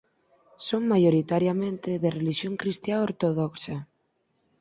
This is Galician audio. Son maioritariamente de relixión cristiá ortodoxa.